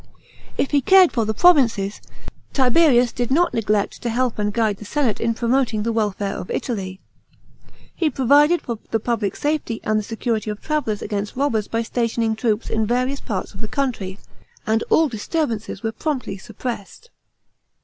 § 7. If he cared for the provinces, Tiberius did not neglect to help and guide the senate in promoting the welfare of Italy. He piovided for the public safety and the security of travellers against robbers by stationing troops in various parts of the country ; and all disturbances were promptly suppressed.